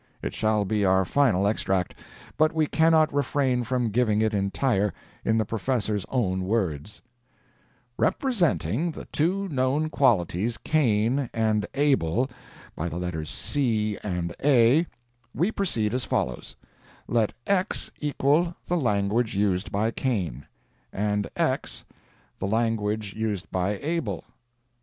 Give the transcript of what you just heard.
It shall be our final extract, but we cannot refrain from giving it entire, in the Professor's own words: Representing the two known qualities Cain and Abel by the letters C and A, we proceed as follows: Let x=the language used by Cain, and x, the language used by Abel.